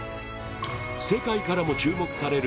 世界からも注目される